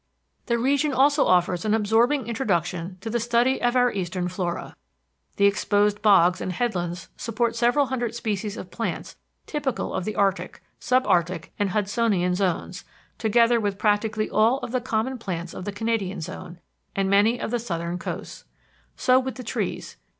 The region also offers an absorbing introduction to the study of our eastern flora. The exposed bogs and headlands support several hundred species of plants typical of the arctic, sub arctic, and Hudsonian zones, together with practically all of the common plants of the Canadian zone, and many of the southern coasts. So with the trees.